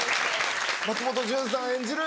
松本潤さん演じる